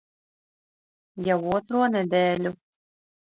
Jau otro nedēļu.